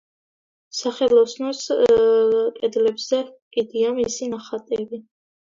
სახელოსნოს კედლებზე ჰკიდია მისი ნახატები.